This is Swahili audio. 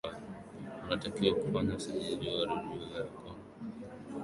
unatakiwa kufanya usajili wa redio yako